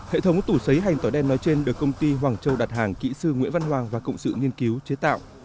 hệ thống tủ xấy hành tỏi đen nói trên được công ty hoàng châu đặt hàng kỹ sư nguyễn văn hoàng và cộng sự nghiên cứu chế tạo